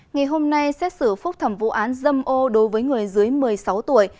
ngày hôm nay xét xử phúc thẩm vụ án dâm ô đối với người dưới một mươi sáu tuổi